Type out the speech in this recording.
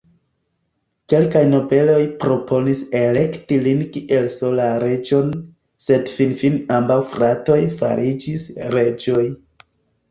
Kelkaj nobeloj proponis elekti lin kiel solan reĝon, sed finfine ambaŭ fratoj fariĝis reĝoj.